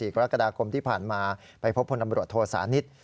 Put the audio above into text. กรกฎาคมที่ผ่านมาไปพบพลตำรวจโทษานิท